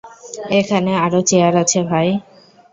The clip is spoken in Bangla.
এখানে আরও চেয়ার আছে, ভাই।